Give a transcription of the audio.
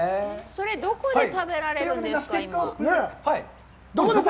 それ、どこで食べられるんですか？